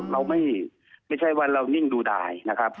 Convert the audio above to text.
เราไม่ใช่ว่านิ่งดูได้นะครับ